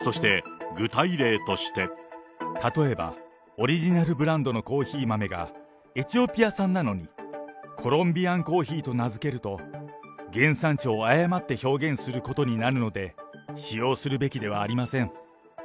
そして、例えば、オリジナルブランドのコーヒー豆が、エチオピア産なのに、コロンビアン・コーヒーと名付けると、原産地を誤って表現することになるので、使用するべきではありません。